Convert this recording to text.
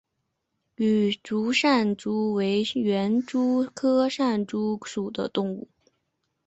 羽足扇蛛为园蛛科扇蛛属的动物。